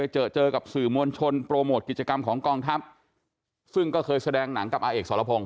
ชนโปรโมทกิจกรรมของกองทัพซึ่งก็เคยแสดงหนังกับอาเอกสรพงศ์